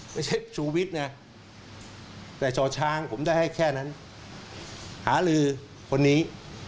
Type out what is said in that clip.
ไม่ใช่ชูวิทย์นะแต่ช่อช้างผมได้ให้แค่นั้นหาลือคนนี้